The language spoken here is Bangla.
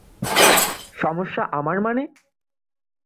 সমস্যা আমার মানে?